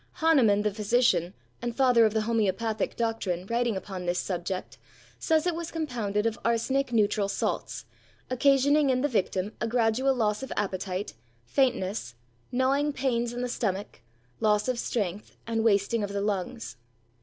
Hahnemann the physician, and father of the homoeopathic doctrine, writing upon this subject, says it was compounded of arsenical neutral salts, occasioning in the victim a gradual loss of appetite, faintness, gnawing pains in the stomach, loss of strength, and wasting of the lungs.